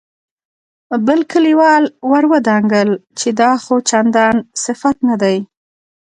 بل کليوال ور ودانګل چې دا خو چندان صفت نه دی.